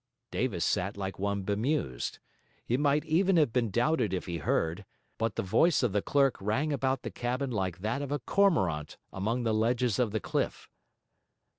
Davis sat like one bemused; it might even have been doubted if he heard, but the voice of the clerk rang about the cabin like that of a cormorant among the ledges of the cliff.